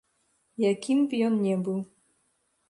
Якім б ён не быў.